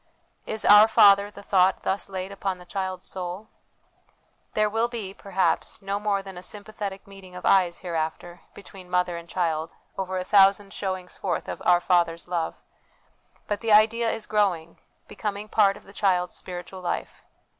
Is 'Our Father' the thought thus laid upon the child's soul ? There will be, perhaps, no more than a sympathetic meeting of eyes hereafter, between mother and child, over a thousand showings forth of ' Our Father's ' love ; but the idea is growing, becoming part of the child's spiritual life.